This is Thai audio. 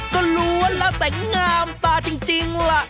ก็รู้ว่าเราแต่งามตาจริงล่ะ